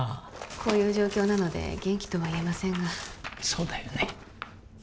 こういう状況なので元気とは言えませんがそうだよね